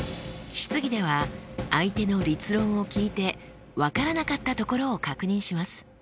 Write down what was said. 質疑では相手の立論を聞いて分からなかったところを確認します。